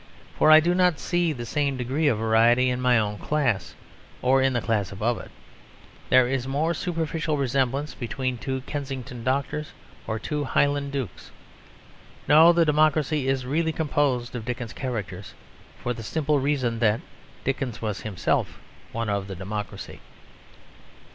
For I do not see the same degree of variety in my own class or in the class above it; there is more superficial resemblance between two Kensington doctors or two Highland dukes. No; the democracy is really composed of Dickens characters, for the simple reason that Dickens was himself one of the democracy.